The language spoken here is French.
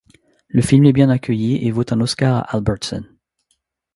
Le film est bien accueilli et vaut un Oscar à Albertson.